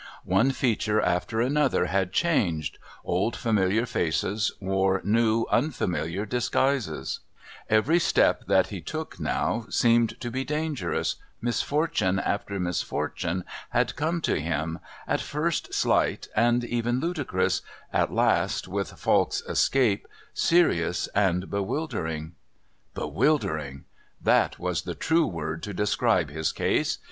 One feature after another had changed, old familiar faces wore new unfamiliar disguises, every step that he took now seemed to be dangerous, misfortune after misfortune had come to him, at first slight and even ludicrous, at last with Falk's escape, serious and bewildering. Bewildering! That was the true word to describe his case!